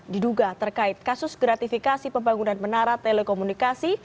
diduga terkait kasus gratifikasi pembangunan menara telekomunikasi